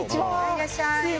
いらっしゃい。